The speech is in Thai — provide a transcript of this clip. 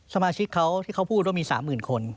สมาชิกเขาที่เขาพูดว่ามี๓๐๐๐คน